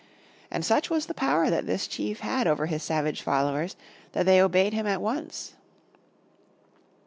And such was the power that this chief had over his savage followers that they obeyed him at once.